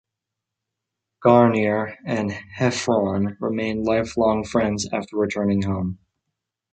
Guarnere and Heffron remained lifelong friends after returning home.